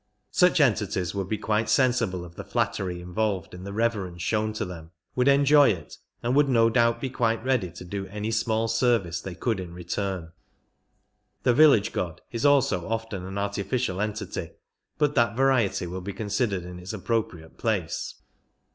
Such entities would be (juite sensible of the flattery involved in the rever ence shown to them, would enjoy it, and would no doubt be quite ready to do any small service they could in return. (The village god is also often an artificial entity, but that variety will be considered in its appropriate place.)